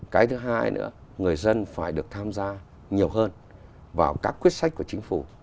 cái thứ hai nữa người dân phải được tham gia nhiều hơn vào các quyết sách của chính phủ